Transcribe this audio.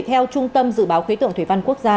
theo trung tâm dự báo khí tượng thủy văn quốc gia